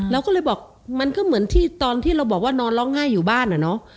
เราก็เลยบอกมันก็เหมือนที่ตอนที่เราบอกว่านอนร้องไห้อยู่บ้านอะเนาะ